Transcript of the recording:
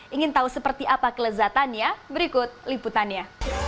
ingin tahu seperti apa kelezatannya berikut liputannya